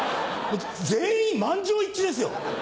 全員満場一致ですよ。